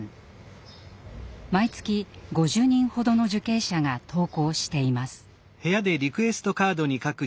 毎月５０人ほどの受刑者が投稿しています。